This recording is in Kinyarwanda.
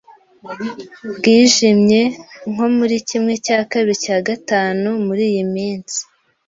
Bwijimye nko muri kimwe cya kabiri cyagatanu muriyi minsi.